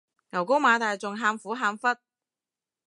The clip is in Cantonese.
牛高馬大仲喊苦喊忽